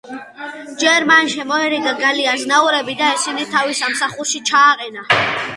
ჯერ მან შემოირიგა გალი აზნაურები და ისინი თავის სამსახურში ჩააყენა.